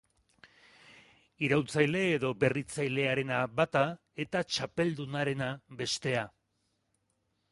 Iraultzaile edo berritzailearena bata, eta txapeldunarena, bestea.